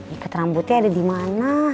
ikat rambutnya ada di mana